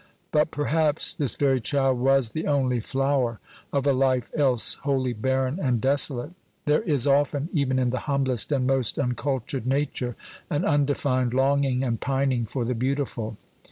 But perhaps this very child was the only flower of a life else wholly barren and desolate. There is often, even in the humblest and most uncultured nature, an undefined longing and pining for the beautiful.